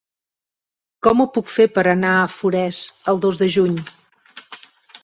Com ho puc fer per anar a Forès el dos de juny?